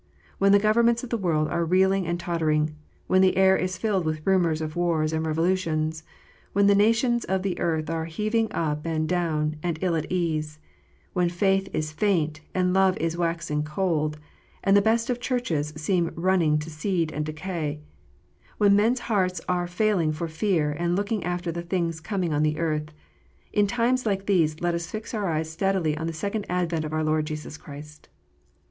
When the governments of the world are reeling and tottering, when the air is filled with rumours of wars and revolutions, when the nations of the earth are heaving up and down and ill at ease, when faith is faint and love is waxing cold, and the best of Churches seem running to seed and decay, when men s hearts are failing for fear and looking after the things coming on the earth, in times like these let us fix our eyes steadily on the second advent of our Lord Jesus Christ.